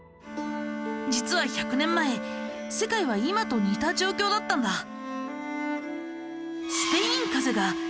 実は１００年前世界は今と似た状況だったんだ。